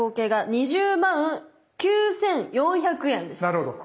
なるほど。